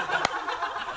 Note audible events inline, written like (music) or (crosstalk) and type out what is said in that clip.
ハハハ (laughs)